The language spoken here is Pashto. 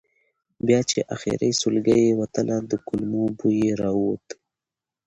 بیا چې آخري سلګۍ یې وتله د کولمو بوی یې راووت.